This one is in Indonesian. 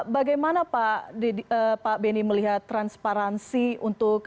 bagaimana pak beni melihat transparansi untuk